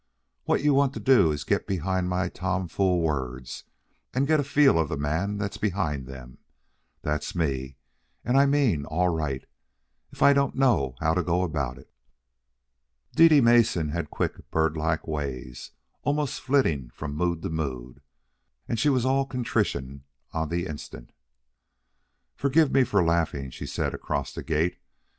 What you want to do is get behind my tomfool words and get a feel of the man that's behind them. That's me, and I mean all right, if I don't know how to go about it." Dede Mason had quick, birdlike ways, almost flitting from mood to mood; and she was all contrition on the instant. "Forgive me for laughing," she said across the gate.